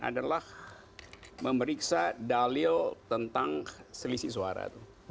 adalah memeriksa dalil tentang selisih suara